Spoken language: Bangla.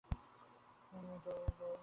শুনিয়া দৌড়, দৌড়।